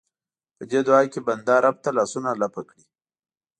په دې دعا کې بنده رب ته لاسونه لپه کړي.